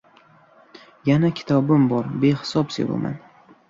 Yana kitobim bor behisob sevaman